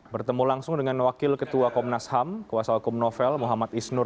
bertemu langsung dengan wakil ketua komnas ham kuasa hukum novel muhammad isnur